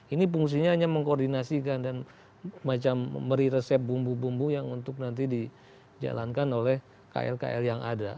ini fungsinya hanya mengkoordinasikan dan macam meresep bumbu bumbu yang untuk nanti dijalankan oleh kl kl yang ada